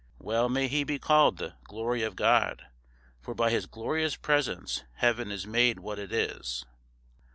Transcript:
(Well may he be called the Glory of God, for by his glorious presence Heaven is made what it is).